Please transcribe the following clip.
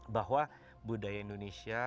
bahwa budaya indonesia